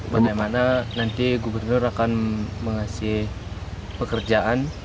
bagaimana nanti gubernur akan mengasih pekerjaan